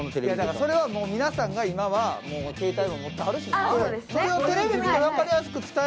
それは皆さんが今は携帯も持ってるわけですしね。